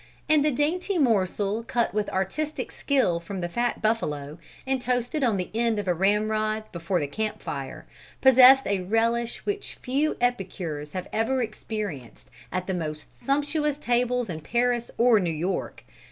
And the dainty morsel cut with artistic skill from the fat buffalo, and toasted on the end of a ramrod before the camp fire, possessed a relish which few epicures have ever experienced at the most sumptuous tables in Paris or New York.